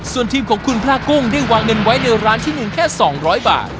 ส่วนทีมของคุณพระกุ้งได้วางเงินไว้ในร้านที่๑แค่๒๐๐บาท